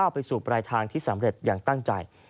ไปสู่ปลายทางที่สำเร็จอย่างตั้งใจ